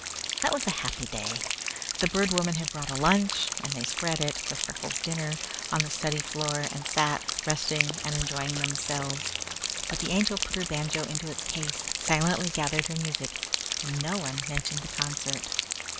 That was a happy day. The Bird Woman had brought a lunch, and they spread it, with Freckles' dinner, on the study floor and sat, resting and enjoying themselves. But the Angel put her banjo into its case, silently gathered her music, and no one mentioned the concert.